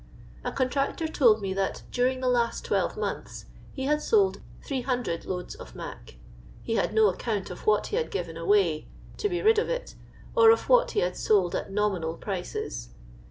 A contractor told me that during the last twelve months he hnd sold 300 lo.ads of " mac ;" he had no account of what he had jjiven away, to be rid of it, or of what he had sold at nominal prices.